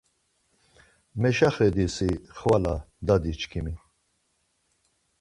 Meşaxedi si xvala, dadiçkimi